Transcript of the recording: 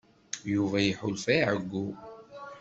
Yuba iḥulfa i uɛeyyu.